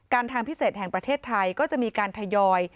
ทางพิเศษแห่งประเทศไทยก็จะมีการทยอย